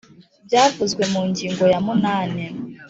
byavuzwe mu ngingo ya munani